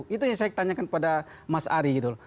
itu yang saya tanyakan pada mas ari gitu loh